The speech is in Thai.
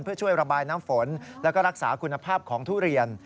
เพื่อช่วยระบายน้ำฝนแล้วก็รักษาคุณภาพของทุเรียน